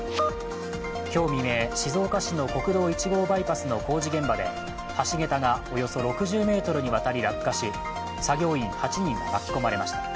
今日未明、静岡市の国道１号バイパスの工事現場で橋桁がおよそ６０ｍに渡り落下し作業員８人が巻き込まれました。